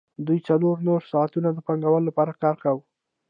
دوی څلور نور ساعتونه د پانګوال لپاره کار کاوه